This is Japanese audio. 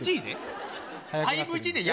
５Ｇで？